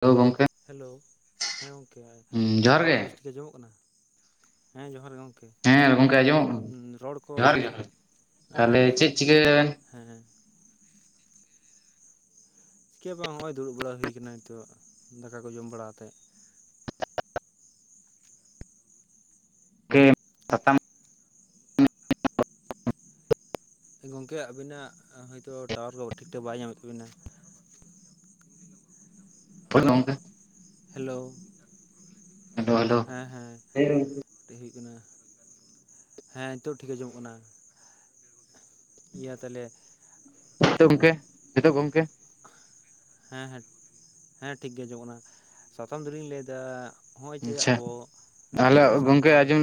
Hello ᱜᱚᱝᱠᱮ hello ᱦᱮᱸ ᱜᱚᱢᱠᱮ ᱨᱚᱲ ᱵᱮᱥᱴᱷᱤᱠ ᱜᱮ ᱟᱡᱚᱢᱚᱜ ᱠᱟᱱᱟ ᱦᱮᱸ ᱡᱚᱦᱟᱨ ᱜᱮ ᱜᱚᱝᱠᱮ ᱦᱮᱸ ᱜᱚᱝᱠᱮ ᱟᱸᱡᱚᱢᱚᱜ ᱨᱚᱲ ᱠᱚ ᱠᱟᱱᱟ ᱡᱚᱦᱟᱨ [inaudible] ᱫ ᱜᱮ ᱛᱟᱦᱚᱞᱮ ᱟᱪ ᱪᱷᱟ ᱪᱮᱫ ᱪᱤᱠᱟᱹ ᱦᱮᱸ ᱠᱮ ᱵᱟᱝ ᱱᱚᱜ ᱚᱭ ᱫᱩᱲᱩᱵ ᱵᱟᱲᱟ ᱦᱩᱭ ᱟᱠᱟᱱᱟᱭ ᱛᱚ ᱫᱟᱠᱟ ᱠᱚ ᱡᱚᱢ ᱵᱟᱲᱟ ᱦᱟᱛᱮ ᱜᱮ ᱥᱟᱛᱟᱢ ᱜᱚᱝᱠᱮ ᱟᱹᱵᱤᱱᱟᱜ ᱦᱚᱭᱛᱚ ᱴᱟᱣᱟᱨ ᱠᱚ ᱴᱷᱤᱠ ᱴᱷᱟᱠ ᱵᱟᱭ ᱧᱟᱢᱮᱫ ᱛᱟᱵᱤᱱᱟ [inaudible] ᱵᱠ [unintelligible] ᱦᱮᱞᱳ ᱦᱮᱞᱳ ᱦᱮᱞᱳ ᱦᱮᱸ ᱦᱮᱸ ᱠᱟᱹᱴᱤᱡ [unintelligible] ᱦᱩᱭᱩᱜ ᱠᱟᱱᱟ ᱦᱮᱸ ᱱᱤᱛᱚᱜ ᱴᱷᱤᱠ ᱟᱸᱡᱚᱢᱚᱜ ᱠᱟᱱᱟ ᱤᱭᱟᱹ ᱛᱟᱞᱮ ᱱᱤᱛᱚᱜ ᱜᱚᱝᱠᱮ ᱡᱤᱛᱚᱜ ᱜᱚᱝᱠᱮ ᱦᱮᱸ ᱦᱮᱸ ᱦᱮᱸ ᱴᱷᱤᱠ ᱜᱮ ᱟᱡᱚᱢᱚᱜ ᱠᱟᱱᱟ ᱥᱟᱛᱟᱢ ᱫᱚᱞᱤᱧ ᱞᱟᱹᱭ ᱮᱫᱟ ᱟᱪ ᱪᱷᱟ ᱛᱟᱦᱮᱞᱮ ᱥᱟᱱᱛᱟᱲ ᱟᱸᱡᱚᱢ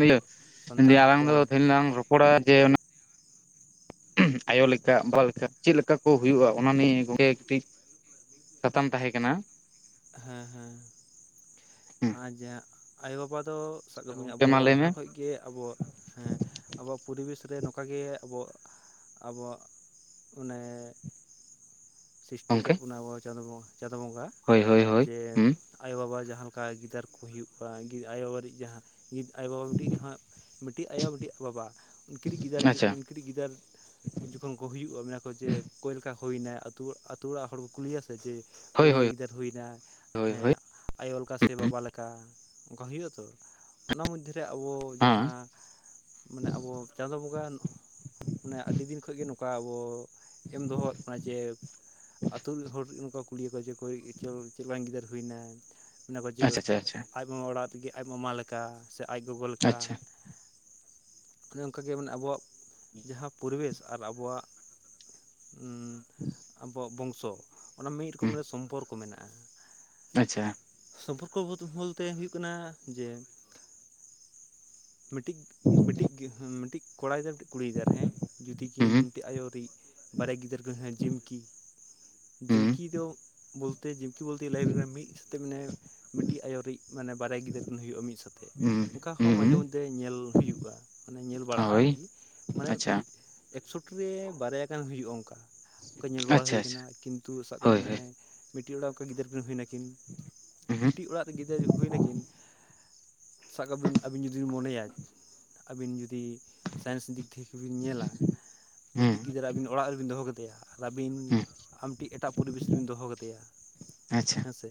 ᱥᱟᱱᱛᱟᱲ ᱟᱞᱟᱝ ᱫᱚ ᱦᱚᱯᱚᱱ ᱛᱮᱦᱮᱧ ᱞᱟᱝ ᱨᱚ ᱠᱚᱲᱟ ᱡᱮ [unintelligible] ᱟᱭᱳ ᱞᱮᱠᱟ ᱵᱟᱵᱟ ᱞᱮᱠᱟ ᱪᱮᱫ ᱞᱮᱠᱟ ᱠᱚ ᱦᱩᱭᱩᱜᱼᱟ ᱚᱱᱟ ᱱᱤᱭᱮ ᱜᱚᱝᱠᱮ ᱠᱟᱹᱴᱤᱡ ᱥᱟᱛᱟᱢ ᱛᱟᱦᱮᱸ ᱠᱟᱱᱟ ᱦᱮᱸ ᱦᱮᱸ ᱦᱮᱸ ᱟᱨᱮ ᱡᱮ ᱟᱭᱚᱵᱟᱵᱟ ᱫᱚ ᱥᱟᱵ ᱠᱟᱜ ᱢᱮᱧ ᱜᱚᱝᱠᱮ ᱢᱟ ᱟᱵᱚ ᱞᱟᱹᱭ ᱞᱟᱦᱟ ᱢᱮ ᱠᱷᱚᱡ ᱜᱮ ᱟᱵᱚ ᱦᱮᱸ ᱟᱵᱚᱣᱟᱜ ᱯᱚᱨᱤᱵᱮᱥ ᱨᱮ ᱱᱚᱝᱠᱟ ᱜᱮ ᱟᱵᱚ ᱟᱵᱚᱣᱟᱜ ᱢᱟᱱᱮ ᱥᱤᱨᱤᱥᱴᱤ ᱜᱚᱝᱠᱮ ᱠᱟᱜ ᱵᱚᱱᱟ ᱟᱵᱚ ᱪᱟᱸ ᱪᱟᱸᱫᱚ ᱵᱚᱸᱜᱟ ᱦᱳᱭ ᱦᱳᱭ ᱦᱳᱭ ᱡᱮ ᱦᱩᱸ ᱟᱭᱚᱼᱵᱟᱵᱟ ᱡᱟᱦᱟᱸ ᱚᱱᱠᱟ ᱜᱤᱫᱟᱹᱨ ᱠᱚ ᱦᱩᱭᱩᱜᱼᱟ ᱟᱭᱚᱼᱤᱡ ᱡᱟᱦᱟᱸ ᱟᱭᱳᱼᱵᱟᱵᱟ ᱢᱤᱫᱴᱤᱡ ᱢᱤᱫᱴᱤᱡ ᱟᱭᱳ ᱢᱤᱫᱴᱤᱡ ᱵᱟᱵᱟ ᱩᱱᱠᱤᱡ ᱜᱤᱫᱟᱹᱨ ᱟᱪᱪᱷᱟ ᱩᱱᱠᱴᱤᱡ ᱜᱤᱫᱟᱹᱨ ᱡᱚᱠᱷᱚᱱ ᱠᱚ ᱦᱩᱭᱩᱜᱼᱟ ᱢᱮ ᱠᱚ ᱡᱮ ᱚᱠᱚᱭ ᱞᱮᱠᱟ ᱦᱩᱭᱱᱟᱭᱛᱹ ᱚᱲᱟᱜ ᱦᱚᱲ ᱠᱚ ᱠᱩᱞᱭᱟ ᱥᱮ ᱡᱮ ᱦᱳᱭ ᱚᱠᱚᱭ [unintelligible] ᱞᱮᱠᱟ ᱦᱳᱭ ᱜᱤᱫᱟᱹᱨ ᱦᱩᱭᱱᱟ ᱦᱳᱭ ᱦᱮᱸ ᱦᱳᱭ ᱟᱭᱳ ᱚᱱᱠᱟ ᱥᱮ ᱦᱮᱸ ᱵᱟᱵᱟ ᱞᱮᱠᱟ ᱚᱱᱠᱟ ᱦᱩᱭᱩᱜᱼᱟ ᱛᱚ ᱚᱱᱟ ᱢᱚᱫᱽᱫᱷᱮᱨᱮ ᱟᱵᱚ ᱡᱟᱦᱟᱸ ᱢᱟᱱᱮ ᱟᱵᱚ ᱪᱟᱸᱫᱳ ᱵᱚᱸᱜᱟᱱ ᱢᱟᱱᱮ ᱟᱹᱰᱤ ᱫᱤᱱ ᱠᱷᱚᱱ ᱜᱮ ᱱᱚᱝᱠᱟ ᱟᱵᱚ ᱮᱢ ᱫᱚᱦᱚᱮᱫ ᱠᱟᱱᱟ ᱡᱮ ᱟᱛᱩ ᱨᱮᱱ ᱦᱚᱲ ᱱᱚᱝᱠᱟ ᱠᱩᱞᱤᱠᱚᱣᱟ ᱡᱮ ᱚᱠᱚᱭ ᱪᱮᱫ ᱵᱟᱝᱟᱱ ᱜᱤᱫᱟᱹᱨ ᱦᱩᱭᱱᱟᱭ ᱟᱪᱪᱷᱟ ᱟᱪᱪᱷᱟ ᱟᱪᱪᱷᱟ ᱟᱡ ᱵᱟᱵᱟ ᱚᱲᱟᱜ ᱛᱮᱜᱮ ᱟᱡ ᱢᱟᱢᱟ ᱞᱮᱠᱟ ᱥᱮ ᱟᱡ ᱜᱚᱜᱚ ᱞᱮᱠᱟ ᱟᱪᱪᱷᱟ ᱚᱱᱮ ᱚᱱᱠᱟᱜᱮ ᱢᱮ ᱟᱵᱚᱣᱟᱜ ᱡᱟᱦᱟᱸ ᱯᱚᱨᱤᱵᱮᱥ ᱟᱨ ᱟᱵᱚᱣᱟᱜ ᱟᱵᱚᱣᱟᱜ ᱵᱚᱝᱥᱚ ᱚᱱᱟ ᱢᱤᱫ ᱨᱚᱠᱚᱢ ᱦᱩᱸ ᱨᱮ ᱥᱚᱢᱯᱚᱨᱠᱚ ᱢᱮᱱᱟᱜᱼᱟ ᱟᱪᱪᱷᱟ ᱥᱚᱢᱯᱚᱨᱠᱚ ᱵᱚᱞᱛᱮ ᱦᱳ ᱠᱟᱱᱟ ᱡᱮ ᱢᱤᱫᱴᱤᱡ ᱢᱤᱫᱴᱤᱡ ᱢᱤᱫᱴᱤᱡ ᱠᱚᱲᱟ ᱜᱤᱫᱽᱹᱨᱟ ᱠᱩᱲᱤ ᱜᱤᱫᱟᱹᱨ ᱦᱮᱸ ᱡᱩᱫᱤ ᱠᱤ ᱦᱩᱸ ᱢᱤᱫᱴᱮᱱ ᱟᱭᱳᱤᱡ ᱵᱟᱨᱭᱟ ᱜᱤᱫᱟᱹᱨ ᱠᱚ ᱡᱤᱢᱠᱤ ᱦᱩᱸ ᱡᱷᱤᱢᱠᱤ ᱫᱚ ᱵᱚᱞᱛᱮ ᱡᱷᱤᱢᱠᱤ ᱵᱚᱞᱛᱮ ᱞᱟᱭᱵᱨᱮᱨᱤ ᱨᱮ ᱢᱤᱫ ᱥᱟᱛᱮᱜ ᱢᱟᱱᱮ ᱢᱤᱫᱴᱤᱡ ᱟᱭᱳᱤᱡ ᱢᱟᱱᱮ ᱵᱟᱨᱭᱟ ᱜᱤᱫᱟᱹᱨᱤᱱ ᱦᱩᱭᱩᱜᱼᱟ ᱢᱤᱫ ᱥᱟᱛᱮᱜ ᱦᱩᱸ ᱚᱱᱠᱟ ᱦᱚᱸ ᱢᱟᱡᱷᱮ ᱦᱩᱸ ᱢᱚᱫᱽᱫᱷᱮ ᱧᱮᱞ ᱦᱩᱭᱩᱜᱼᱟ ᱢᱟᱱᱮ ᱧᱮᱞ ᱵᱟᱲᱟᱜᱼᱟ ᱦᱳᱭ ᱠᱤ ᱢᱟᱱᱮ ᱟᱪᱪᱷᱟ ᱮᱠᱥᱚᱴᱤ ᱨᱮ ᱵᱟᱨᱭᱟ ᱟᱠᱟᱱ ᱦᱩᱭᱩᱜᱼᱟ ᱚᱱᱠᱟ ᱚᱱᱠᱟ ᱧᱮᱞ ᱵᱟᱲᱟ ᱟᱪᱪᱷᱟ ᱦᱩᱭ ᱠᱟᱱᱟ ᱟᱪᱪᱷᱟ ᱠᱤᱱᱛᱩ ᱥᱟᱵ ᱠᱟᱜ ᱦᱳᱭ ᱵᱤᱱ ᱦᱳᱭ ᱦᱮᱸ ᱢᱤᱫᱴᱤᱡ ᱚᱲᱟᱜ ᱚᱱᱠᱟ ᱜᱤᱫᱟᱹᱨ ᱠᱤᱱ ᱦᱩᱭ ᱱᱟᱠᱤᱱ ᱦᱩᱸ ᱢᱤᱫᱴᱤᱡ ᱚᱲᱟᱜ ᱨᱮ ᱜᱤᱫᱽᱨᱟᱹ ᱦᱩᱭ ᱱᱟᱠᱤᱱ ᱥᱟᱵ ᱟᱹᱵᱤᱱ ᱟᱹᱵᱤᱱ ᱡᱩᱫᱤᱵᱤᱱ ᱢᱚᱱᱮᱭᱟ ᱟᱹᱵᱤᱱ ᱡᱩᱫᱤ ᱥᱟᱭᱮᱱᱥ ᱫᱤᱠ ᱛᱷᱮᱠᱮ ᱵᱤᱱ ᱧᱮᱞᱟ ᱦᱩᱸ ᱢᱤᱫᱴᱤᱡ ᱜᱤᱫᱟᱹᱨᱟᱹ ᱟᱵᱤᱱ ᱚᱲᱟᱜ ᱨᱮᱵᱤᱱ ᱫᱚᱦᱚ ᱠᱟᱫᱮᱭᱟ ᱟᱨ ᱟᱹᱵᱤᱱ ᱦᱩᱸ ᱟᱢ ᱴᱮᱱ ᱮᱴᱟᱜ ᱯᱚᱨᱤᱵᱮᱥ ᱨᱮᱵᱤᱱ ᱫᱚᱦᱚ ᱠᱟᱫᱮᱭᱟ ᱟᱪᱪᱷᱟ ᱦᱮᱸ ᱥᱮ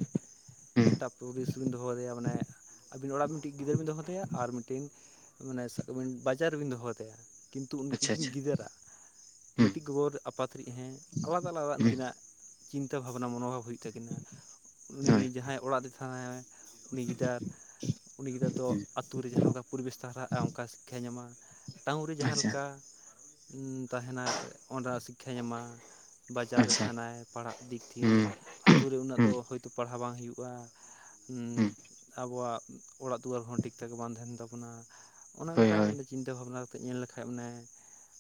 ᱦᱩᱸ ᱮᱴᱟ ᱯᱚᱨᱤᱥ ᱵᱤᱱ ᱫᱚᱦᱚ ᱟᱫᱮᱭᱟ ᱢᱟᱱᱮ ᱟᱹᱵᱤᱱ ᱚᱲᱟᱜ ᱢᱤᱫᱴᱮᱱ ᱜᱤᱫᱽᱟᱹᱨᱟᱹ ᱵᱤᱱ ᱫᱚᱦᱚ ᱟᱫᱮᱭᱟ ᱟᱨ ᱢᱤᱫᱴᱤᱱ ᱢᱟᱱᱮᱵᱤᱱ ᱵᱟᱡᱟᱨ ᱨᱮᱵᱤᱱ ᱫᱚᱦᱚ ᱠᱮᱫᱮᱭᱟ ᱠᱤᱱᱛᱩ ᱟᱪᱪᱷᱟ ᱩᱱᱠᱤᱱ ᱟᱪᱪᱷᱟ ᱜᱤᱫᱟᱹᱨᱟᱜ ᱦᱩᱸ ᱢᱤᱫᱴᱤᱡ ᱜᱚᱜᱚᱨ ᱟᱯᱟᱛ ᱨᱮᱱᱤᱡ ᱦᱮᱸ ᱟᱞᱟᱫᱟ ᱟᱞᱟᱫᱟ ᱦᱩᱸ ᱩᱱᱠᱤ ᱪᱤᱱᱛᱟ ᱵᱷᱟᱵᱽᱱᱟ ᱢᱚᱱᱚᱵᱷᱟᱵᱽ ᱦᱩᱭᱩᱜ-ᱟ ᱛᱟᱹᱠᱤᱱᱟ ᱦᱳᱭ ᱩᱱᱤ ᱡᱟᱦᱟᱸᱭ ᱚᱲᱟᱜ ᱨᱮ ᱛᱟᱦᱮᱱᱟ ᱩᱱᱤ ᱜᱤᱫᱟᱹᱨ ᱩᱱᱤ ᱜᱤᱫᱽᱨᱟᱹ ᱫᱚ ᱦᱩᱸ ᱟᱛᱳ ᱨᱮ ᱡᱟᱦᱟᱸᱠᱟ ᱯᱚᱨᱤᱵᱮᱥ ᱛᱚ ᱦᱟᱨᱟᱜᱼᱟ ᱚᱱᱠᱟ ᱥᱤᱠᱠᱷᱟᱭ ᱧᱟᱢᱟ ᱴᱟᱣᱩᱱ ᱨᱮ ᱟᱪᱪᱷᱟ ᱡᱟᱦᱟᱸᱮᱠᱟ ᱛᱟᱦᱮᱱᱟ ᱚᱸᱱᱟᱜ ᱥᱤᱠᱠᱷᱟ ᱧᱟᱢᱟ ᱵᱟᱡᱟᱨ ᱨᱮ ᱟᱪᱪᱷᱟ ᱛᱟᱦᱮᱱᱟᱭ ᱯᱟᱲᱦᱟᱜ ᱫᱤᱠ ᱫᱤᱭᱮ ᱦᱩᱸ ᱟᱛᱳ ᱨᱮ ᱩᱱᱟᱹᱜ ᱦᱩᱸ ᱫᱚ ᱦᱳᱭᱛᱳ ᱯᱟᱲᱦᱟᱣ ᱵᱟᱝ ᱦᱩᱭᱩᱜᱼᱟ ᱦᱩᱸ ᱟᱵᱚᱣᱟᱜ ᱚᱲᱟᱜ ᱫᱩᱣᱟᱹᱨ ᱦᱚᱸ ᱴᱷᱤᱠ ᱴᱷᱟᱠ ᱵᱟᱝ ᱛᱟᱦᱮᱱ ᱛᱟᱵᱚᱱᱟ ᱚᱱᱮ ᱦᱳᱭ ᱚᱱᱠᱟ ᱦᱳᱭ ᱪᱤᱱᱛᱟᱹ ᱵᱷᱟᱵᱱᱟ ᱠᱟᱛᱮᱫ ᱧᱮᱞ ᱞᱮᱠᱷᱟᱡ ᱢᱟᱱᱮ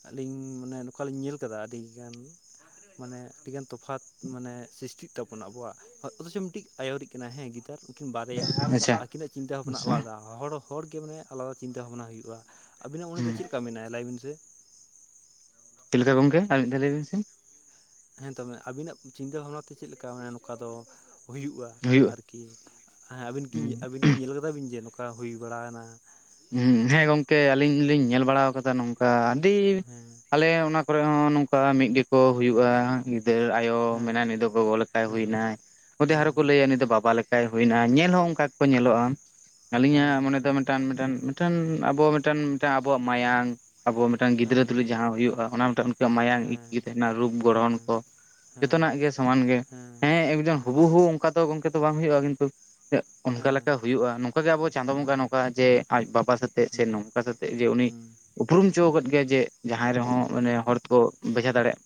ᱟᱹᱞᱤᱧ ᱢᱟᱱᱮ ᱱᱚᱝᱠᱟᱞᱤᱧ ᱧᱮᱞ ᱟᱠᱟᱫᱟ ᱟᱹᱰᱤ ᱜᱟᱱ ᱢᱟᱱᱮ ᱟᱹᱰᱤᱜᱟᱱ ᱛᱚᱯᱷᱟᱛ ᱢᱟᱱᱮ ᱥᱨᱤᱥᱴᱤᱜ ᱛᱟᱵᱚᱱᱟ ᱟᱵᱚᱣᱟᱜ ᱚᱛᱷᱚᱪᱚ ᱢᱤᱫᱴᱤᱡ ᱟᱭᱩᱨᱤᱜ ᱠᱟᱱᱟᱭ ᱦᱮᱸ ᱜᱤᱫᱟᱹᱨ ᱩᱱᱠᱤᱱ ᱵᱟᱨᱮᱭᱟ ᱟᱪᱪᱷᱟ ᱟᱠᱤᱱᱟᱜ ᱪᱤᱱᱛᱟᱹ ᱦᱩᱸ ᱵᱷᱟᱵᱱᱟ ᱪᱮᱫ ᱟᱞᱟᱫᱟ ᱦᱚᱲ ᱦᱚᱲᱜᱮ ᱢᱟᱱᱮ ᱟᱞᱟᱫᱟ ᱪᱤᱱᱛᱟᱹ ᱵᱷᱟᱵᱽᱱᱟ ᱦᱩᱭᱩᱜᱼᱟ ᱟᱹᱵᱤᱱᱟᱜ ᱩᱱᱚᱱ ᱫᱚ ᱪᱮᱫ ᱞᱮᱠᱟ ᱢᱮᱱᱟᱭᱟ ᱞᱟᱹᱭᱵᱤᱱ ᱥᱮ ᱪᱮᱫ ᱞᱮᱠᱟ ᱜᱚᱝᱠᱮ ᱟᱨ ᱢᱤᱫ ᱫᱷᱟᱣ ᱞᱟᱹᱭ ᱵᱤᱱ ᱥᱮ ᱦᱮᱸ ᱛᱚᱵᱮ ᱟᱵᱤᱱᱟᱜ ᱪᱤᱱᱛᱟᱹ ᱵᱷᱟᱵᱽᱱᱟᱛᱮ ᱪᱮᱫ ᱞᱮᱠᱟ ᱢᱟᱱᱮ ᱱᱚᱝᱠᱟ ᱫᱚ ᱦᱩᱭᱩᱜᱼᱟ ᱦᱩᱭᱩᱜᱼᱟ ᱟᱨᱠᱤ ᱠᱤ ᱦᱮ ᱟᱹᱵᱤᱱ ᱠᱤᱱ ᱦᱩᱸ ᱟᱹᱵᱤᱱ ᱠᱤᱱ ᱧᱮᱞ ᱟᱠᱟᱫᱟ ᱵᱤᱱ ᱡᱮ ᱱᱚᱝᱠᱟ ᱦᱩᱭ ᱵᱟᱲᱟᱱᱟ ᱦᱮᱸ ᱜᱚᱝᱠᱮ ᱟᱹᱞᱤᱧ ᱞᱤᱧ ᱧᱮᱞ ᱵᱟᱲᱟ ᱟᱠᱟᱫᱟ ᱱᱚᱝᱠᱟ ᱟᱹᱰᱤ ᱦᱮᱸ ᱟᱞᱮ ᱚᱱᱟ ᱠᱚᱨᱮ ᱦᱚᱸ ᱱᱚᱝᱠᱟ ᱢᱤᱫ ᱜᱮᱠᱚ ᱦᱩᱭᱩᱜᱼᱟ ᱜᱤᱫᱟᱹᱨ ᱟᱭᱳ ᱢᱮᱱᱟᱭ ᱦᱮᱸ ᱩᱱᱤᱤᱫ ᱫᱚ ᱜᱚᱜᱚ ᱞᱮᱠᱟᱭ ᱦᱮᱸ ᱦᱩᱭᱱᱟᱭ ᱚᱫᱮ ᱦᱮᱸ ᱟᱨᱚᱸ ᱠᱚ ᱞᱟᱹᱭᱟ ᱩᱱᱤ ᱫᱚ ᱵᱟᱵᱟ ᱞᱮᱠᱟᱭ ᱦᱩᱭᱱᱟ ᱦᱮᱸ ᱧᱮᱞ ᱦᱚᱸ ᱚᱱᱠᱟ ᱜᱮᱠᱚ ᱦᱮᱸ ᱦᱮᱸ ᱧᱮᱞᱚᱜᱼᱟ ᱟᱹᱞᱤᱧᱟᱜ ᱦᱮᱸ ᱢᱚᱱᱮ ᱫᱚ ᱢᱤᱫᱴᱟᱝ ᱦᱮᱸ ᱦᱮᱸ ᱢᱤᱫᱴᱟᱝ ᱠᱷᱟᱱ ᱟᱵᱚ ᱢᱤᱫᱴᱟᱝ ᱢᱤᱫᱴᱟᱝ ᱟᱵᱚᱣᱟᱜ ᱢᱟᱭᱟᱢ ᱟᱵᱚ ᱢᱤᱫᱴᱟᱝ ᱜᱤᱫᱽᱨᱟᱹ ᱦᱮᱸ ᱛᱩᱞᱩᱡ ᱡᱟᱦᱟᱸ ᱦᱩᱭᱩᱜᱼᱟ ᱚᱱᱟ ᱢᱤᱫᱴᱟᱝ ᱢᱟᱭᱟᱢ ᱤᱠᱤᱜᱮ ᱦᱮᱸ ᱛᱟᱦᱮᱱᱟ ᱨᱩᱯ ᱜᱚᱲᱦᱚᱱ ᱠᱚ ᱡᱚᱛᱚᱱᱟᱜ ᱜᱮ ᱥᱟᱢᱟᱱ ᱜᱮ ᱦᱮᱸ ᱮᱠᱫᱚᱢ ᱦᱩᱵᱩᱦᱩ ᱚᱱᱠᱟ ᱜᱚᱝᱠᱮ ᱛᱚ ᱵᱟᱝ ᱦᱩᱭᱩᱜᱼᱟ ᱠᱤᱱᱛᱩ ᱦᱮᱸ ᱚᱱᱠᱟ ᱦᱮᱸ ᱦᱮᱸ ᱞᱮᱠᱟ ᱦᱩᱭᱩᱜᱼᱟ ᱱᱚᱝᱠᱟ ᱜᱮ ᱟᱵᱚ ᱪᱟᱸᱫᱳ ᱵᱚᱸᱜᱟ ᱱᱚᱝᱠᱟ ᱡᱮ ᱟᱡ ᱵᱟᱵᱟ ᱥᱟᱛᱮᱜ ᱥᱮ ᱦᱩᱸ ᱱᱚᱝᱠᱟ ᱥᱟᱛᱮᱜ ᱡᱮ ᱩᱱᱤ ᱦᱩᱸ ᱩᱯᱨᱩᱢ ᱦᱚᱪᱚ ᱟᱠᱟᱫ ᱜᱮᱟᱭ ᱡᱮ ᱡᱟᱦᱟᱸᱭ ᱨᱮᱦᱚᱸ ᱢᱟᱱᱮ ᱦᱩᱸ ᱦᱚᱲᱠᱚ ᱵᱷᱮᱡᱟ ᱫᱟᱲᱮᱭᱟᱜ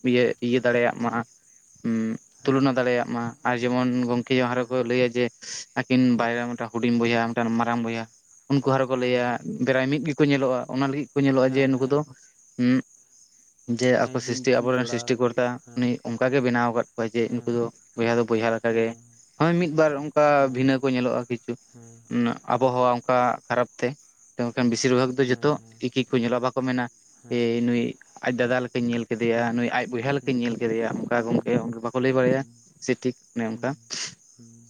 ᱤᱭᱟᱹ ᱫᱟᱲᱮᱭᱟᱜ ᱢᱟ ᱦᱮᱸ ᱛᱩᱞᱚᱱᱟ ᱫᱟᱲᱮᱭᱟᱜ ᱢᱟ ᱟᱨ ᱡᱮᱢᱚᱱ ᱜᱚᱢᱠᱮ ᱡᱟᱦᱟ ᱨᱮᱠᱚ ᱦᱮᱸ ᱞᱟᱹᱭᱟ ᱡᱮ ᱟᱹᱠᱤᱱ ᱵᱟᱭᱨᱮ ᱢᱤᱫᱴᱟᱝ ᱦᱩᱰᱤᱧ ᱵᱚᱭᱦᱟ ᱢᱤᱫᱴᱟᱝ ᱢᱟᱨᱟᱝ ᱵᱚᱭᱦᱟ ᱟᱨ ᱠᱚ ᱦᱮᱸ ᱞᱟᱹᱭᱟ ᱯᱨᱟᱭ ᱢᱤᱫ ᱜᱮᱠᱚ ᱧᱮᱞᱚᱜᱼᱟ ᱚᱱᱟ ᱞᱟᱹᱜᱤᱫ ᱠᱚ ᱧᱮᱞᱚᱜᱼᱟ ᱡᱮ ᱦᱮᱸ ᱱᱩᱠᱩ ᱦᱮᱸ ᱫᱚ ᱡᱮ ᱦᱮᱸ ᱟᱠᱚ ᱥᱨᱤᱥᱴᱤ ᱡᱤᱢᱠᱤ ᱟᱵᱚᱨᱮᱱ ᱡᱚᱲᱟᱣ ᱥᱨᱤᱥᱴᱤ ᱠᱚᱨᱛᱟ ᱦᱮᱸ ᱩᱱᱤ ᱚᱱᱠᱟᱜ ᱜᱮ ᱵᱮᱱᱟᱣ ᱟᱠᱟᱫ ᱠᱚᱣᱟᱟᱭ ᱡᱮ ᱩᱱᱠᱩ ᱦᱮᱸ ᱫᱚ ᱵᱚᱭᱦᱟ ᱫᱚ ᱵᱚᱭᱦᱟ ᱜᱮ ᱦᱮᱸ ᱦᱳᱭ ᱢᱤᱫᱵᱟᱨ ᱚᱱᱠᱟ ᱦᱮᱸ ᱵᱷᱤᱱᱟᱹ ᱠᱚ ᱧᱮᱞᱚᱜᱼᱟ ᱠᱤᱪᱷᱩ ᱦᱮᱸ ᱦᱮᱸ ᱟᱵᱚᱦᱟᱣᱟ ᱚᱱᱠᱟ ᱠᱷᱟᱨᱟᱯ ᱛᱮᱠᱷᱟᱱ ᱵᱮᱥᱤᱨ ᱵᱷᱟᱜᱽ ᱫᱚ ᱦᱮᱸ ᱡᱚᱛᱚ ᱦᱮᱸ ᱛᱤᱠᱤ ᱠᱚ ᱧᱮᱞᱚᱜᱼᱟ ᱵᱟᱠᱚ ᱢᱮᱱᱟ ᱦᱮᱸ ᱱᱩᱭ ᱟᱡ ᱫᱟᱫᱟ ᱞᱮᱠᱟᱧ ᱧᱮᱞ ᱠᱮᱫᱮᱭᱟ ᱦᱩᱸ ᱱᱩᱭ ᱟᱡ ᱵᱚᱭᱦᱟ ᱞᱮᱠᱟᱧ ᱦᱩᱸ ᱧᱮᱞ ᱠᱮᱫᱮᱭᱟ ᱚᱱᱠᱟ ᱦᱩᱸ ᱜᱚᱝᱠᱮ ᱵᱟᱠᱚ ᱞᱟᱹᱭ ᱵᱟᱲᱟᱭᱟ ᱦᱩᱸ ᱥᱮᱴᱷᱤᱠ ᱠᱟᱱᱟᱜ ᱚᱱᱠᱟ ᱦᱩᱸ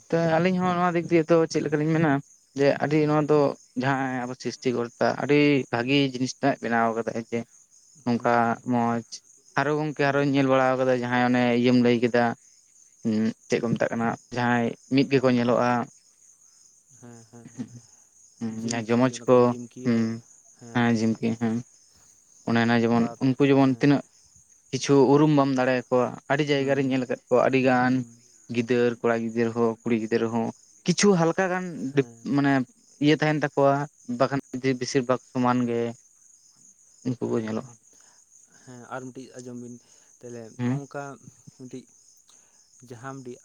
ᱛᱚ ᱟᱹᱞᱤᱧ ᱦᱚᱸ ᱱᱚᱣᱟ ᱫᱤᱠ ᱫᱤᱭᱮ ᱛᱚ ᱪᱮᱫ ᱞᱮᱠᱟᱞᱤᱧ ᱢᱮᱱᱟ ᱡᱮ ᱟᱹᱰᱤ ᱱᱚᱣᱟ ᱫᱚ ᱡᱟᱦᱟᱸᱭ ᱟᱵᱚ ᱥᱨᱤᱥᱴᱤᱠᱚᱨᱛᱟ ᱟᱹᱰᱤ ᱵᱷᱟᱜᱤ ᱡᱤᱱᱤᱥ ᱴᱟᱜ ᱵᱮᱱᱟᱣ ᱟᱠᱟᱫᱟᱭ ᱡᱮ ᱦᱩᱸ ᱱᱚᱝᱠᱟ ᱦᱩᱸ ᱢᱚᱸᱡᱽ ᱟᱨᱚ ᱜᱚᱝᱠᱮ ᱦᱩᱸ ᱟᱨᱚᱧ ᱧᱮᱞ ᱵᱟᱲᱟ ᱠᱟᱫᱟ ᱡᱟᱦᱟᱸᱭ ᱚᱱᱮ ᱤᱭᱟᱹᱢ ᱞᱟᱹᱭ ᱠᱮᱫᱟ ᱪᱮᱫ ᱠᱚ ᱢᱮᱛᱟᱜ ᱠᱟᱱᱟ ᱡᱟᱦᱟᱸᱭ ᱢᱤᱫ ᱜᱮᱠᱚ ᱧᱮᱞᱚᱜᱼᱟ ᱦᱮᱸ ᱦᱮᱸ ᱦᱮᱸ ᱟᱨ ᱡᱤᱢᱠᱤ ᱡᱚᱢᱚᱡᱽ ᱚᱱᱟ ᱠᱚ ᱫᱚ ᱡᱤᱢᱠᱤ ᱦᱮᱸ ᱦᱮᱸ ᱡᱷᱤᱢᱠᱤ ᱦᱮᱸ ᱚᱱᱮ ᱡᱮᱢᱚᱱ ᱛᱟᱨ ᱩᱱᱠᱩ ᱡᱮᱢᱚᱱ ᱦᱮᱸ ᱛᱤᱱᱟᱹᱜ ᱠᱤᱪᱷᱩ ᱩᱨᱩᱢ ᱵᱟᱢ ᱫᱟᱲᱮᱭᱟᱠᱚᱣᱟ ᱟᱹᱰᱤ ᱡᱟᱭᱜᱟ ᱦᱩᱸ ᱨᱤᱧ ᱧᱮᱞ ᱟᱠᱟᱫ ᱠᱚᱣᱟ ᱟᱹᱰᱤᱜᱟᱱ ᱦᱩᱸ ᱜᱤᱫᱟᱹᱨ ᱠᱚᱲᱟ ᱜᱤᱫᱟᱹᱨ ᱦᱚᱸ ᱠᱩᱲᱤ ᱜᱤᱫᱟᱹᱨᱟᱹ ᱦᱚᱸ ᱠᱤᱪᱷᱩ ᱦᱟᱞᱠᱟ ᱜᱟᱱ ᱦᱮᱸ ᱢᱟᱱᱮ ᱤᱭᱟᱹ ᱛᱟᱦᱮᱱ ᱛᱟᱠᱚᱣᱟ ᱵᱟᱠᱷᱟᱱ ᱡᱤ ᱵᱮᱥᱤᱨ ᱵᱷᱟᱜᱽ ᱥᱚᱢᱟᱱ ᱜᱮ ᱩᱱᱠᱩ ᱠᱚ ᱦᱩᱸ ᱧᱮᱞᱚᱜᱼᱟ ᱦᱮᱸ ᱟᱨ ᱢᱤᱫᱴᱤᱡ ᱟᱸᱡᱚᱢ ᱵᱤᱱ ᱛᱟᱦᱚᱞᱮ ᱦᱩᱸ ᱱᱚᱝᱠᱟ ᱢᱤᱫᱴᱤᱡ ᱡᱟᱦᱟᱸ ᱢᱤᱫᱴᱤᱡ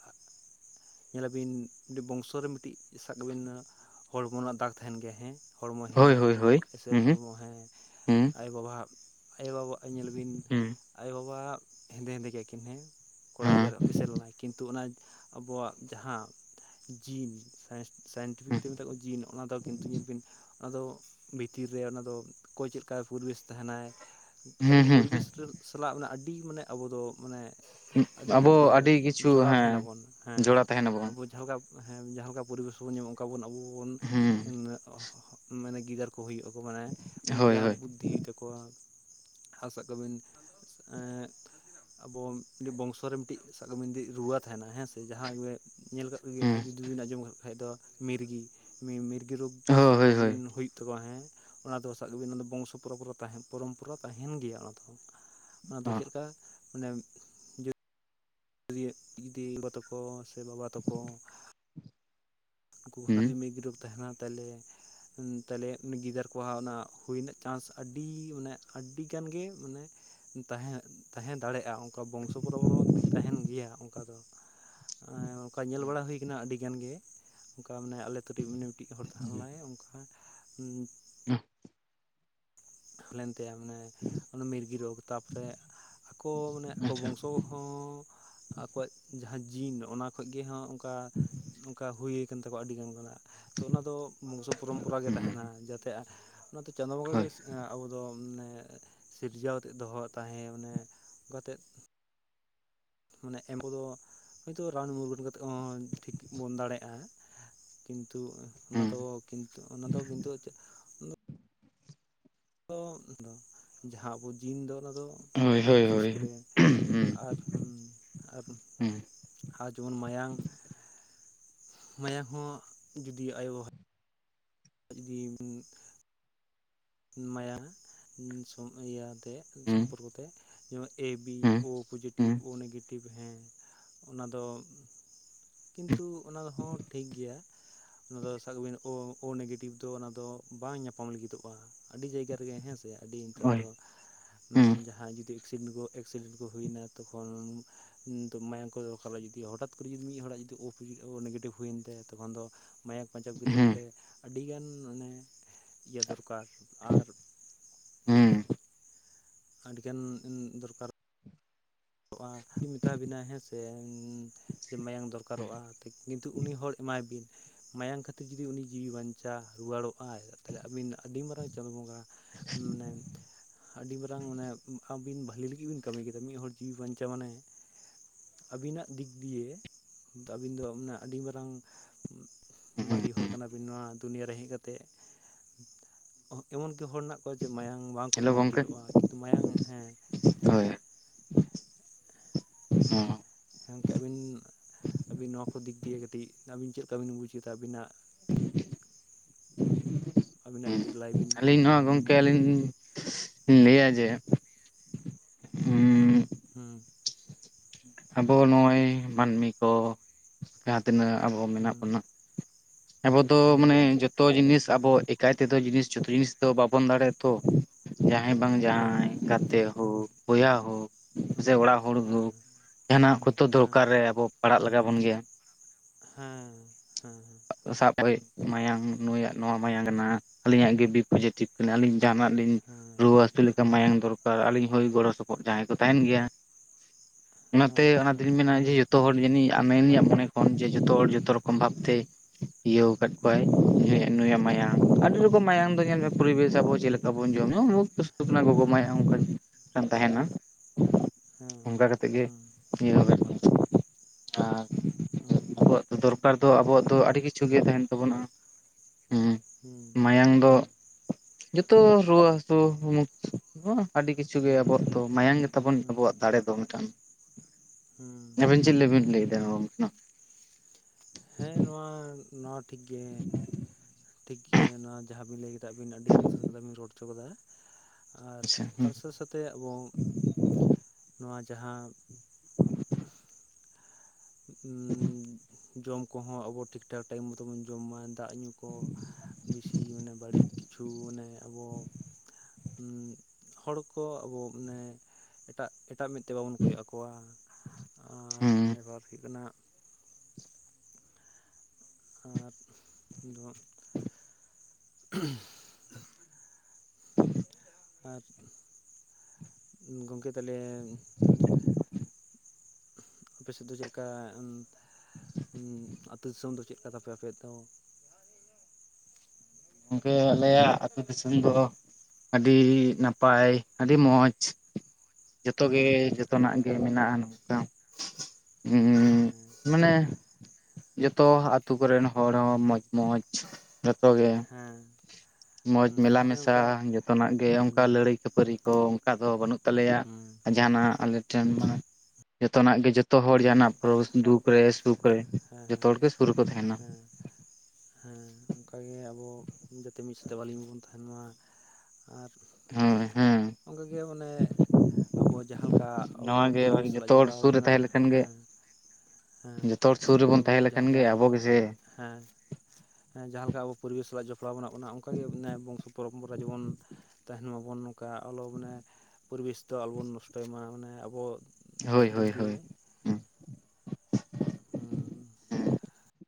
ᱧᱮᱞᱟᱵᱤᱱ ᱢᱤᱫᱴᱤ ᱵᱚᱝᱥᱚ ᱨᱮ ᱢᱤᱫᱴᱤᱡ ᱥᱟᱵ ᱠᱟᱜᱵᱤᱱ ᱦᱚᱲᱢᱚ ᱨᱮᱱᱟᱜ ᱫᱟᱜ ᱛᱟᱦᱮᱱ ᱜᱮᱭᱟ ᱦᱮᱸ ᱦᱚᱲᱢᱚ ᱦᱮᱸᱫᱮ ᱦᱳᱭ ᱦᱳᱭ ᱦᱚᱲᱢᱚ ᱦᱳᱭ ᱮᱥᱮᱞ ᱦᱩᱸ ᱦᱚᱲᱢᱚ ᱦᱮᱸ ᱦᱩᱸ ᱟᱭᱳᱼᱵᱟᱵᱟᱣᱟᱜ ᱟᱭᱳᱼᱵᱟᱵᱟᱣᱟᱜ ᱧᱮᱞ ᱵᱤᱱ ᱦᱮᱸ ᱟᱭᱳᱼᱵᱟᱵᱟ ᱦᱮᱸᱫᱮ ᱦᱮᱸᱫᱮ ᱜᱮᱭᱟᱠᱤᱱ ᱦᱮᱸ ᱠᱚᱲᱟ ᱦᱮᱸ ᱜᱤᱫᱟᱹᱨ ᱮᱥᱮᱞ ᱞᱮᱱᱟᱭ ᱠᱤᱱᱛᱩ ᱚᱱᱟ ᱟᱵᱚᱣᱟᱜ ᱡᱟᱦᱟᱸ ᱡᱤᱱ ᱥᱟᱭᱮᱱᱴᱤᱯᱷᱤᱠ ᱦᱮᱸ ᱛᱮ ᱢᱮᱛᱟ ᱠᱚ ᱡᱤᱱ ᱚᱱᱟ ᱫᱚ ᱠᱤᱱᱛᱩ ᱧᱮᱞ ᱵᱤᱱ ᱟᱫᱚ ᱵᱷᱤᱛᱤᱨ ᱨᱮ ᱚᱱᱟᱫᱚ ᱚᱠᱚᱭ ᱪᱮᱫ ᱞᱮᱠᱟ ᱯᱚᱨᱤᱵᱮᱥ ᱛᱟᱦᱮᱱᱟᱭ ᱦᱮᱸ ᱟᱹᱵᱤᱱ ᱦᱮᱸ ᱯᱚᱨᱤᱵᱮᱥ ᱨᱮ ᱥᱟᱞᱟᱜ ᱨᱮᱱᱟᱜ ᱟᱹᱰᱤ ᱢᱟᱱᱮ ᱟᱵᱚ ᱫᱚ ᱢᱟᱱᱮ ᱟᱹᱰᱤ ᱟᱵᱚ ᱢᱟᱱᱮ ᱟᱹᱰᱤ ᱠᱤᱪᱷᱩ ᱡᱚᱲᱟ ᱦᱮᱸ ᱛᱟᱦᱮᱱᱟᱵᱚᱱ ᱦᱮᱸ ᱡᱚᱲᱟ ᱛᱟᱦᱮᱱᱟᱵᱚᱱ ᱟᱵᱚ ᱡᱟᱦᱟᱸ ᱞᱮᱠᱟ ᱡᱟᱦᱟᱸ ᱞᱮᱠᱟ ᱯᱚᱨᱤᱵᱮᱥᱵᱚᱱ ᱧᱟᱢᱟ ᱚᱱᱠᱟ ᱵᱚᱱ ᱟᱵᱚ ᱵᱚᱱ ᱦᱩᱸ ᱢᱟᱱᱮ ᱜᱤᱫᱟᱹᱨ ᱠᱚ ᱦᱩᱭᱩᱜᱼᱟ ᱠᱚ ᱢᱟᱱᱮ ᱦᱳᱭ ᱡᱟ ᱦᱳᱭ ᱵᱩᱫᱽᱫᱷᱤ ᱦᱩᱭᱩᱜ ᱛᱟᱠᱚᱣᱟ ᱟ ᱥᱟᱜ ᱠᱟᱜᱵᱤᱱ ᱟᱵᱚ ᱢᱤᱫᱴᱤᱡ ᱵᱚᱝᱥᱚ ᱨᱮ ᱢᱤᱫᱴᱤᱡ ᱥᱟᱵᱠᱟᱜᱵᱤᱱ ᱢᱤᱫᱴᱤᱡ ᱨᱩᱣᱟᱹ ᱛᱟᱦᱮᱱᱟ ᱦᱮᱸᱥᱮ ᱡᱟᱦᱟᱸ ᱧᱮᱞ ᱠᱟᱜ ᱠᱚᱜᱮ ᱦᱩᱸ ᱟᱨ ᱡᱩᱫᱤ ᱵᱤᱱ ᱟᱸᱡᱚᱢ ᱠᱷᱟᱡ ᱠᱟᱜ ᱫᱚ ᱢᱤᱨᱜᱤ ᱢᱤᱨᱜᱤ ᱨᱳᱜᱽ ᱦᱳᱭ ᱥᱟᱵ ᱦᱳᱭ ᱦᱳᱭ ᱠᱟᱜᱵᱤᱱ ᱦᱩᱭ ᱛᱟᱠᱚᱣᱟ ᱦᱮᱸ ᱚᱱᱟ ᱫᱚ ᱥᱟᱵ ᱠᱟᱜᱵᱤᱱ ᱚᱱᱟ ᱫᱚ ᱵᱚᱝᱥᱚ ᱯᱚᱨᱚᱢᱯᱚᱨᱟ ᱛᱟᱦᱮ ᱯᱚᱨᱚᱢᱯᱚᱨᱟ ᱛᱟᱦᱮᱱ ᱜᱮᱭᱟ ᱚᱱᱟ ᱫᱚ ᱚᱱᱟᱫᱚ ᱪᱮᱫᱞᱠᱟ ᱢᱟᱱᱮ [unintelligible] ᱛᱟᱠᱚ ᱥᱮ ᱵᱟᱵᱟ ᱛᱟᱠᱚ ᱩᱱᱠᱩ ᱠᱚ ᱦᱩᱸ ᱡᱩᱫᱤ ᱢᱤᱫ ᱜᱩᱨᱩᱯ ᱛᱟᱦᱮᱱᱟ ᱛᱟᱦᱚᱞᱮ ᱛᱟᱦᱚᱞᱮ ᱩᱱᱤ ᱜᱤᱫᱟᱹᱨ ᱠᱚᱣᱟᱜ ᱚᱱᱟ ᱦᱩᱭ ᱨᱮᱱᱟᱜ ᱪᱟᱱᱥ ᱟᱹᱰᱤ ᱢᱟᱱᱮ ᱟᱹᱰᱤᱜᱟᱱ ᱜᱮ ᱢᱟᱱᱮ ᱛᱟᱦᱮᱸ ᱛᱟᱦᱮᱸ ᱫᱟᱲᱮᱭᱟᱜᱼᱟ ᱚᱱ ᱠᱟ ᱵᱚᱝᱥᱚ ᱯᱚᱨᱚᱝᱯᱚᱨᱟ ᱨᱮᱦᱚᱸ ᱠᱟᱹᱴᱤᱡ ᱛᱟᱦᱮᱱ ᱜᱮᱭᱟ ᱚᱱᱠᱟ ᱫᱚ ᱚᱱᱠᱟ ᱧᱮᱞ ᱵᱟᱲᱟ ᱦᱩᱭ ᱠᱟᱱᱟ ᱟᱹᱰᱤ ᱜᱟᱱ ᱜᱮ ᱚᱱᱠᱟ ᱢᱟᱱᱮ ᱟᱞᱮ ᱟᱛᱩᱨᱮ ᱢᱟᱱᱮ ᱢᱤᱫᱴᱤᱡ ᱦᱚᱲ ᱛᱟᱦᱮᱸ ᱞᱮᱱᱟᱭ ᱚᱱᱠᱟ [unintelligible] ᱛᱟᱦᱮᱞᱮᱱᱛᱟᱭᱟ ᱢᱟᱱᱮ ᱚᱱᱟ ᱢᱤᱨᱜᱤ ᱨᱳᱜ ᱛᱟᱯᱚᱨᱮ ᱟᱠᱚ ᱢᱟᱱᱮ ᱟᱠᱚ ᱟᱪᱪᱷᱟ ᱵᱚᱝᱥᱚ ᱦᱚᱸ ᱟᱠᱚᱣᱟᱜ ᱡᱟᱦᱟᱸ ᱡᱤᱱ ᱚᱱᱟ ᱠᱷᱚᱡ ᱜᱮ ᱦᱚᱸ ᱚᱱᱠᱟ ᱚᱱᱠᱟ ᱦᱩᱭ ᱠᱟᱱ ᱛᱟᱠᱚᱣᱟ ᱟᱹᱰᱤᱜᱟᱱ [unintelligible] ᱛᱚ ᱚᱱᱟ ᱫᱚ ᱵᱚᱝᱥᱚ ᱯᱚᱨᱚᱢᱯᱚᱨᱟ ᱜᱮ ᱛᱟᱦᱮᱱᱟ, ᱦᱩᱸ ᱡᱟᱛᱮ ᱚᱱᱟᱛᱮ ᱪᱟᱸᱫᱚᱳ ᱵᱚᱸᱜᱟ ᱜᱮ ᱦᱳᱭ ᱟᱵᱚ ᱫᱚ ᱢᱟᱱᱮ ᱥᱤᱨᱡᱟᱣᱛᱮᱫ ᱫᱚᱦᱚ ᱛᱟᱦᱮᱸ ᱚᱱᱮ ᱠᱟᱛᱮᱫ ᱢᱟᱱᱮ ᱟᱵᱩ ᱫᱚ ᱦᱚᱭᱛᱳ ᱨᱟᱱ ᱢᱩᱨᱜᱟᱹᱱ ᱠᱟᱛᱮᱜ ᱦᱚᱸ ᱴᱷᱤᱠ ᱵᱚᱱ ᱫᱟᱲᱮᱭᱟᱜᱼᱟ ᱠᱤᱱᱛᱩ ᱚᱱᱟ ᱦᱩᱸ ᱫᱚ ᱠᱤᱱᱛᱩ ᱚᱱᱟ ᱫᱚ ᱠᱤᱱᱛᱩ ᱪᱮᱫ ᱡᱟᱦᱟᱸ ᱟᱵᱚ ᱡᱤᱱ ᱫᱚ ᱚᱱᱟ ᱫᱚ ᱦᱳᱭ ᱦᱳᱭ ᱵᱤᱥᱮᱥ ᱦᱳᱭ ᱠᱚᱨᱮ ᱦᱩᱸ ᱟᱨ ᱟᱨ ᱦᱩᱸ ᱟᱨ ᱡᱮᱢᱚᱱ ᱢᱟᱭᱟᱝ ᱢᱟᱭᱟᱝ ᱦᱚᱸ ᱡᱩᱫᱤ ᱟᱭᱳ ᱡᱩᱫᱤ [unintelligible] ᱢᱟᱭᱟ ᱤᱭᱟᱹᱛᱮ ᱦᱩᱸ ᱥᱚᱢᱯᱚᱨᱠᱚ ᱛᱮ ᱡᱮᱢᱚᱱ ᱮ ᱵᱤ ᱦᱩᱸ ᱳ ᱦᱩᱸ ᱯᱚᱡᱮᱴᱤᱵᱷ ᱳ ᱱᱮᱜᱮᱴᱤᱵᱷ ᱦᱮᱸ ᱚᱱᱟ ᱫᱚ ᱠᱤᱱᱛᱩ, ᱚᱱᱟᱦᱚᱸ ᱴᱷᱤᱠ ᱜᱮᱭᱟ᱾ ᱚᱱᱟ ᱫᱚ ᱥᱟᱵ ᱠᱟᱜ ᱵᱤᱱ ᱳ ᱳ ᱱᱮᱜᱮᱴᱤᱵᱷ ᱫᱚ ᱚᱱᱟ ᱫᱚ ᱵᱟᱝ ᱧᱟᱯᱟᱢ ᱞᱟᱹᱜᱤᱫᱚᱜᱼᱟ, ᱟᱹᱰᱤ ᱡᱟᱭᱜᱟ ᱨᱮᱜᱮ ᱦᱮᱸ ᱥᱮ᱾ ᱟᱹᱰᱤ ᱱᱮᱛᱟᱨ ᱦᱳᱭ ᱫᱚ, ᱦᱩᱸ ᱡᱟᱦᱟᱸᱭ ᱡᱩᱫᱤ ᱮᱠᱥᱤ ᱮᱠᱥᱤᱰᱮᱱᱴ ᱠᱚ ᱦᱩᱭᱱᱟ ᱛᱚᱠᱷᱚᱱ ᱢᱟᱭᱟᱝ ᱠᱚ ᱫᱚᱨᱠᱟᱨᱚᱜᱼᱟ ᱡᱩᱫᱤ ᱦᱚᱴᱟᱛ ᱠᱚᱨᱮ ᱡᱩᱫᱤ ᱢᱤᱫ ᱦᱚᱲᱟᱜ ᱡᱩᱫᱤ ᱳ ᱱᱮᱜᱮᱴᱤᱵᱷ ᱦᱩᱭᱮᱱ ᱛᱟᱭᱟ ᱛᱚᱠᱷᱚᱱ ᱫᱚ ᱢᱟᱭᱟᱝ ᱯᱟᱸᱪᱟᱯ ᱠᱟᱛᱮᱫ ᱜᱮᱞᱮ ᱟᱹᱰᱤᱜᱟᱱ ᱢᱟᱱᱮ ᱤᱭᱟᱹ ᱫᱚᱨᱠᱟᱨ ᱟᱨ ᱦᱮᱸ ᱟᱹᱰᱤᱜᱟᱱ ᱫᱚᱨᱠᱟᱨ [unintelligible] ᱟᱹᱧ ᱢᱮᱛᱟ ᱵᱤᱱᱟ ᱦᱮᱸᱥᱮ ᱡᱮ ᱢᱟᱭᱟᱝ ᱦᱩᱸ ᱫᱚᱨᱠᱟᱨᱚᱜᱼᱟ᱾ [unintelligible] ᱠᱤᱱᱛᱩ ᱩᱱᱤ ᱦᱚᱲ ᱮᱢᱟᱭ ᱵᱤᱱ᱾ ᱢᱟᱭᱟᱝ ᱠᱷᱟᱹᱛᱤᱨ ᱡᱩᱫᱤ ᱩᱱᱤ ᱡᱤᱣᱤ ᱵᱟᱧᱪᱟᱣ ᱨᱩᱣᱟᱹᱲᱚᱜᱼ ᱟᱭ, ᱛᱟᱦᱚᱞᱮ ᱟᱵᱤᱱ ᱟᱹᱰᱤ ᱢᱟᱨᱟᱝ ᱪᱟᱸᱫᱳ ᱵᱚᱸᱜᱟ ᱢᱟᱱᱮ ᱟᱹᱰᱤ ᱢᱟᱨᱟᱝ ᱢᱟᱱᱮ ᱟᱵᱤᱱ ᱵᱷᱟᱹᱞᱤ ᱞᱟᱹᱜᱤᱫ ᱵᱤᱱ ᱠᱟᱹᱢᱤ ᱠᱮᱫᱟ, ᱢᱤᱫ ᱦᱚᱲ ᱡᱤᱣᱤ ᱵᱟᱧᱪᱟᱣ ᱢᱟᱱᱮ ᱟᱹᱵᱤᱱᱟᱜ ᱫᱤᱠ ᱫᱤᱭᱮ ᱟᱹᱵᱤᱱ ᱫᱚ ᱟᱹᱰᱤ ᱢᱟᱨᱟᱝ ᱵᱷᱟᱞᱤ ᱦᱚᱲ ᱠᱟᱱᱟᱵᱤᱱ ᱱᱚᱣᱟ ᱫᱩᱱᱤᱭᱟᱹ ᱨᱮ ᱦᱮᱡ ᱠᱟᱛᱮ ᱮᱢᱚᱱ ᱠᱤ ᱦᱚᱲ ᱚᱠᱚᱭ ᱡᱮ ᱢᱟᱭᱟᱝ ᱵᱟᱝᱠᱚ ᱦᱮᱞᱳ ᱮᱢᱚᱜ ᱜᱚᱝᱠᱮ ᱞᱟᱹᱜᱤᱫᱚᱜᱼᱟ ᱠᱤᱱᱛᱩ ᱢᱟᱭᱟᱝ ᱦᱮᱸ ᱦᱳᱭ ᱦᱮᱸ ᱜᱚᱢᱠᱮ ᱟᱹᱵᱤᱱ ᱟᱹᱵᱤᱱ ᱱᱚᱣᱟ ᱠᱚ ᱫᱤᱠ ᱫᱤᱭᱮ ᱠᱟᱹᱴᱤᱡ ᱟᱹᱵᱤᱱ ᱪᱮᱫᱠᱟ ᱵᱤᱱ ᱵᱩᱡ ᱠᱮᱫᱟ ᱟᱹᱵᱤᱱᱟᱜ ᱟᱵᱤᱱᱟᱜ ᱠᱟᱹᱴᱤᱡ ᱞᱟᱭ ᱵᱤᱱ᱾ ᱟᱹᱞᱤᱧ ᱱᱚᱣᱟ ᱜᱚᱝ ᱞᱤᱧ [unintelligible] ᱞᱟᱹᱭᱟ ᱡᱮ [unintelligible] ᱩᱸ ᱦᱩᱸ ᱟᱵᱚ ᱱᱚᱜᱼᱚᱭ ᱢᱟᱹᱱᱢᱤ ᱠᱚ᱾ ᱡᱟᱦᱟᱸ ᱛᱤᱱᱟᱹᱜ ᱟᱵᱚ ᱢᱮᱱᱟᱜ ᱦᱩᱸ ᱵᱚᱱᱟ ᱟᱵᱚᱫ ᱫᱚ ᱦᱩᱸ ᱢᱟᱱᱮ‌ ᱡᱚ ᱡᱚᱛᱚ ᱡᱤᱱᱤᱥ ᱟᱵᱚ ᱮᱠᱟᱭ ᱛᱮᱫᱚ ᱡᱤᱱᱤᱥ ᱡᱚᱛᱚ ᱡᱤᱱᱤᱥ ᱫᱚ ᱵᱟᱵᱚᱱ ᱫᱟᱲᱮᱭᱟᱜᱼᱟ ᱛᱚ᱾ ᱡᱟᱦᱟᱸᱭ ᱵᱟᱝ ᱦᱮᱸ ᱡᱟᱦᱟᱸᱭ, ᱦᱮᱸ ᱜᱟᱛᱮ ᱦᱳᱠ, ᱵᱚᱦᱟ ᱦᱳᱠ, ᱦᱩᱸ ᱥᱮ ᱚᱲᱟᱜ ᱦᱚᱲ ᱦᱮᱸ ᱦᱳᱠ ᱡᱟᱦᱟᱱᱟᱜ ᱠᱚᱛᱚ ᱦᱮᱸ ᱫᱚᱨᱠᱟᱨ ᱨᱮ ᱟᱵᱚ ᱯᱟᱲᱟᱜ ᱞᱟᱜᱟᱣ ᱵᱚᱱ ᱜᱮᱭᱟ᱾ ᱦᱮᱸ ᱦᱮᱸ ᱥᱟᱵ ᱨᱮ ᱢᱟᱭᱟᱝ ᱱᱩᱭᱟᱜ ᱱᱚᱣᱟ ᱢᱟᱭᱟᱝ ᱠᱟᱱᱟ ᱟᱹᱞᱤᱧᱟᱜ ᱜᱮ ᱵᱤ ᱯᱚᱡᱮᱴᱤᱵᱷ ᱠᱟᱱᱟ ᱟᱞᱤᱧ ᱡᱟᱦᱟᱱᱟᱜ ᱞᱤᱧ ᱦᱮᱸ ᱨᱩᱣᱟᱹ ᱦᱟᱹᱥᱩ ᱞᱮᱱᱠᱷᱟᱱ ᱦᱮᱸ ᱢᱟᱭᱟᱝ ᱫᱚᱨ ᱠᱟᱨᱟ ᱟᱹᱞᱤᱧ ᱦᱳᱭ ᱜᱚᱲᱚ ᱥᱚᱯᱚᱦᱚᱫ ᱡᱟᱦᱟᱸᱭ ᱠᱚ ᱛᱟᱦᱮᱱ ᱜᱮᱭᱟ, ᱦᱮᱸ ᱚᱱᱟᱛᱮ ᱦᱮᱸ ᱚᱱᱟᱛᱤᱧ ᱦᱮᱸ ᱢᱮᱱᱟ ᱡᱮ ᱡᱚᱛᱚ ᱦᱚᱲ ᱡᱟᱹᱱᱤᱡ ᱟᱨ ᱢᱮᱱ ᱜᱮᱭᱟ‌ ᱵᱚᱱ ᱮᱠᱷᱚᱱ ᱡᱮ ᱡᱚᱛᱚ ᱦᱚᱲ ᱡᱚᱛᱚ ᱨᱚᱠᱚᱢ ᱵᱷᱟᱵᱛᱮ ᱤᱭᱟᱹᱣ ᱟᱠᱟᱫ ᱠᱚᱣᱟᱭ ᱦᱮᱸ ᱱᱩᱭᱟᱜ ᱢᱟᱭᱟᱝ ᱟᱹᱰᱤ ᱨᱚᱠᱚᱢ ᱢᱟᱭᱟᱢ ᱫᱚ ᱧᱮᱞ ᱦᱮᱸ ᱢᱮ ᱯᱚᱨᱤᱵᱮᱥ ᱟᱵᱚ ᱪᱮᱫᱮᱞᱮᱠᱟ ᱛᱟᱵᱚᱱ ᱡᱚᱢᱟ [unintelligible] ᱥᱩᱯᱱᱟ ᱜᱚᱜᱚ ᱦᱮᱸ ᱢᱟᱭᱟᱜ ᱚᱱᱠᱟ ᱛᱟᱦᱮᱱᱟ ᱦᱮᱸ [unintelligible] ᱦᱮᱸ ᱚᱱᱠᱟ ᱠᱟᱛᱮᱮᱫ ᱜᱮ [unintelligible] ᱟᱨ ᱚ ᱟᱵᱚᱣᱟᱜ ᱫᱚᱨᱠᱟᱨ ᱫᱚ ᱟᱵᱚᱣᱟᱜ ᱫᱚ ᱟᱹᱰᱤ ᱠᱤᱪᱷᱩ ᱜᱮ ᱛᱟᱦᱮᱱ ᱛᱟᱵᱚᱱᱟ ᱦᱮᱸ ᱢᱟᱭᱟᱝ ᱫᱚ ᱡᱚᱛᱚ ᱨᱩᱣᱟᱹ ᱦᱟᱹᱥᱩ ᱩᱢᱩᱠ ᱵᱟ ᱟᱹᱰᱤ ᱠᱤᱪᱷᱩ ᱜᱮ ᱦᱮᱸ ᱟᱵᱚᱣᱟᱜ ᱛᱚ ᱢᱟᱭᱟᱝ ᱜᱮᱛᱟᱵᱚᱱ ᱦᱩᱸ ᱟᱵᱚᱣᱟᱜ ᱫᱟᱲᱮ ᱫᱚ ᱢᱤᱫᱴᱟᱝ᱾ ᱦᱩᱸ ᱪᱤᱞ ᱵᱤᱱ ᱞᱟᱹᱭᱫᱟ [unintelligible] ᱦᱮᱸ ᱱᱚᱣᱟ ᱱᱚᱣᱟ ᱴᱷᱤᱠ ᱜᱮ ᱴᱷᱤᱠ ᱜᱮ ᱱᱚᱣᱟ ᱡᱟᱦᱟᱸ ᱵᱤᱱ ᱞᱟᱹᱭ ᱠᱮᱫᱟᱵᱤᱱ ᱟᱹᱰᱤ ᱡᱚᱛᱷᱟᱛ ᱠᱟᱛᱷᱟ ᱵᱤᱱ ᱨᱚᱲ ᱦᱚᱪᱚ ᱠᱟᱫᱟ᱾ ᱟᱨ ᱦᱩᱸ ᱛᱟᱨᱥᱮ ᱥᱟᱛᱮ ᱟᱵᱚ [unintelligible] ᱱᱚᱣᱟ ᱡᱟᱦᱟᱸ ᱩᱸᱻ ᱡᱚᱢ ᱠᱚᱦᱚᱸ ᱟᱵᱚ ᱴᱷᱤᱠᱴᱷᱟᱠ ᱴᱟᱭᱤᱢ ᱢᱚᱛᱚ ᱵᱚᱱ ᱡᱚᱢ ᱢᱟ᱾ ᱫᱟᱜ ᱧᱩ ᱠᱚ, ᱵᱤᱥᱤ ᱢᱟᱱᱮ ᱵᱟᱹᱲᱤᱡ ᱠᱤᱪᱷᱩ ᱢᱟᱱᱮ ᱟᱵᱚ [unintelligible] ᱦᱚᱲ ᱠᱚ ᱟᱵᱚ ᱢᱟᱱᱮ ᱮᱴᱟᱜ ᱮᱴᱟᱜ ᱢᱮᱫ ᱛᱮ ᱵᱟᱵᱚᱱ ᱠᱚᱭᱚᱜ ᱟᱠᱚᱣᱟ, ᱟᱨ [unintelligible] ᱦᱩᱸ ᱵᱮᱯᱟᱨ ᱦᱩᱭᱩᱜ ᱠᱟᱱᱟ ᱟᱨ ᱫᱚ ᱟᱨ ᱜᱚᱝᱠᱮ ᱛᱟᱞᱮ ᱟᱯᱮ ᱥᱮᱫ ᱫᱚ ᱪᱮᱫᱠᱟ ᱟᱹᱛᱩ ᱫᱤᱥᱚᱢ ᱫᱚ ᱪᱮᱫᱞᱮᱠᱟ ᱛᱟᱯᱮ ᱟᱯᱮ ᱫᱚ ᱜᱚᱢᱠᱮ ᱟᱞᱮᱭᱟᱜ ᱟᱹᱛᱩ ᱫᱤᱥᱚᱢ ᱫᱚ ᱟᱹᱰᱤ ᱱᱟᱯᱟᱭ ᱟᱹᱰᱤ ᱢᱚᱡᱽ ᱡᱚᱛᱚᱜᱮ ᱦᱮᱸ ᱡᱚᱛᱚᱱᱟᱜ ᱜᱮ ᱢᱮᱱᱟᱜᱼᱟ ᱱᱚᱝᱠᱟ ᱦᱮᱸ ᱦᱮᱸ ᱢᱟᱱᱮ ᱡᱚᱛᱚ ᱟᱹᱛᱩ ᱠᱚᱨᱤᱱ ᱦᱚᱲ ᱦᱚᱸ ᱢᱚᱡᱽᱢᱚᱡᱽ ᱡᱚᱛᱚ ᱜᱮ ᱦᱮᱸ ᱢᱚᱡᱽ ᱦᱮᱸ ᱢᱮᱞᱟ ᱚᱱᱮ ᱢᱮᱥᱟ ᱚᱱᱠᱟ ᱡᱚᱛᱚᱱᱟᱜ ᱜᱮ ᱚᱱᱠᱟ ᱦᱮᱸ ᱞᱟᱹᱲᱟᱹᱭ ᱠᱷᱟᱹᱯᱟᱹᱨᱤ ᱠᱚ ᱚᱱᱠᱟ ᱫᱚ ᱵᱟᱹᱱᱩᱜ ᱛᱠᱚ ᱛᱟᱞᱮᱭᱟᱜ ᱦᱮᱸ ᱡᱟᱦᱟᱱᱟᱜ ᱟᱞᱮ ᱴᱷᱮᱱ ᱢᱟ ᱡᱚᱛᱚᱱᱟᱜ ᱜᱮ ᱡᱚᱛᱚ ᱦᱚᱲ ᱦᱮᱸ ᱡᱟᱦᱱᱟᱜ ᱯᱨᱚ ᱫᱩᱠ ᱨᱮ ᱥᱩᱠ ᱨᱮ ᱡᱚᱛᱚ ᱦᱮᱸ ᱦᱚᱲ ᱜᱮ ᱥᱩᱨ ᱨᱮᱠᱚ ᱛᱟᱦᱮᱱᱟ᱾ ᱦᱮᱸ ᱦᱮᱸ ᱚᱱᱠᱟᱜ ᱜᱮ ᱟᱵᱚ ᱡᱟᱛᱮ ᱢᱤᱫ ᱥᱟᱛᱮ ᱵᱷᱟᱞᱤᱧᱚᱜ ᱵᱚᱱ ᱛᱟᱦᱮᱱ ᱢᱟ ᱟᱨ ᱦᱮᱸ ᱦᱮᱸ ᱚᱝᱠᱟᱜᱮ ᱢᱟᱱᱮ ᱟᱵᱚᱣᱟᱜ ᱡᱟᱦᱟᱸ ᱞᱮᱠᱟ ᱟᱵᱚ ᱱᱚᱣᱟ ᱜᱮ ᱵᱷᱟᱜᱤ ᱯᱚᱨᱤᱵᱮᱥ ᱡᱚᱛᱚ ᱥᱟᱞᱟᱜ ᱦᱚᱲ ᱡᱚᱲᱟᱣ ᱥᱩᱨ ᱨᱮ ᱨᱮᱱᱟᱜ ᱛᱟᱦᱮᱸ ᱞᱮᱠᱷᱟᱱ ᱜᱮ ᱦᱮᱸ᱾ ᱦᱮᱸ ᱡᱚᱛᱚ ᱦᱚᱲ ᱥᱩᱨ ᱨᱮᱵᱚᱱ ᱟᱵᱚ ᱛᱟᱦᱮᱸ ᱠᱚ ᱞᱮᱠᱷᱟᱱ ᱡᱟᱦᱟᱸ ᱜᱮ ᱞᱮᱠᱟ ᱟᱵᱚ ᱜᱮᱥᱮ ᱦᱮᱸ ᱦᱮᱸ ᱡᱟᱦᱟᱸ ᱞᱮᱠᱟ ᱟᱵᱚ ᱯᱚᱨᱤᱵᱮᱥ ᱥᱟᱞᱟᱜ ᱡᱚᱯᱲᱟᱣ ᱢᱮᱱᱟᱜ ᱵᱩᱱᱟ ᱠᱟᱱᱟ ᱚᱱᱠᱟᱜᱮ ᱵᱚᱝᱥᱚ ᱯᱚᱨᱚᱢ ᱯᱚᱨ ᱨᱮ ᱡᱮᱢᱚᱱ ᱛᱟᱦᱮᱱ ᱢᱟᱵᱚᱱ ᱱᱚᱝᱠᱟ ᱟᱞᱚ ᱢᱟᱱᱮ ᱯᱚᱨᱤᱵᱮᱥ ᱫᱚ ᱟᱞᱚᱵᱚᱱ ᱱᱚᱥᱴᱚᱭ ᱢᱟ ᱢᱟᱱᱮ ᱟᱵᱚ ᱦᱳᱭ ᱫᱤᱠ ᱦᱳᱭ ᱫᱤᱭᱮ ᱦᱳᱭ᱾ ᱦᱩᱸ